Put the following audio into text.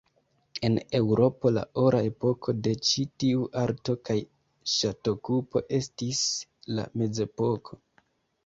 En Eŭropo la ora epoko de ĉi tiu arto kaj ŝatokupo estis la mezepoko.